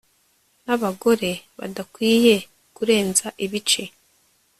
nabagore badakwiye kurenza ibice